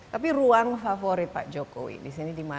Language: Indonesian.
tapi ruang favorit pak jokowi di sini dimana